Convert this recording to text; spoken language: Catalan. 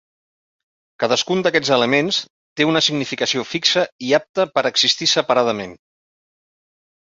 Cadascun d'aquests elements té una significació fixa i apta per existir separadament.